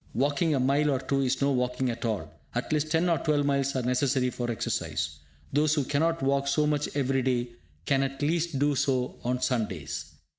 Walking a mile or two is no walking at all; at least ten or twelve miles are necessary for exercise. Those who cannot walk so much every day can at least do so on Sundays.